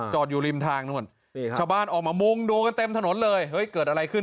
อยู่ริมทางนู่นชาวบ้านออกมามุงดูกันเต็มถนนเลยเฮ้ยเกิดอะไรขึ้น